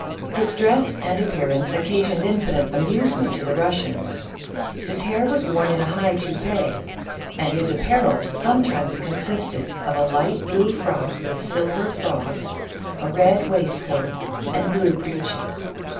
His dress and appearance occasioned infinite amusement to the Russians. His hair was worn in a high toupee, and his apparel sometimes consisted of "a light blue frock with silver frogs, a red waistcoat and blue breeches."